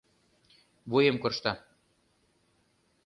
Вуем коршта.